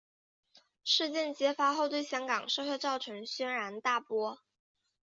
事件揭发后对香港社会造成轩然大波。